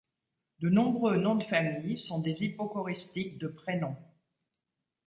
De nombreux noms de famille sont des hypocoristiques de prénoms.